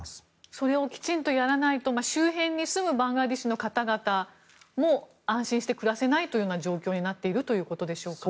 それをきちんとやらないと周辺に住むバングラデシュの方々も安心して暮らせない状況になっているんでしょうか。